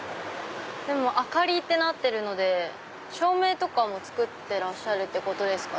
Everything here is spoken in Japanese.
でも「ＡＫＡＲＩ」ってなってるので照明とかも作ってらっしゃるってことですか。